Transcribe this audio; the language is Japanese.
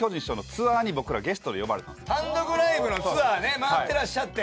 単独ライブのツアーね回ってらっしゃって。